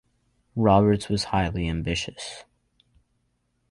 Roberts was highly ambitious.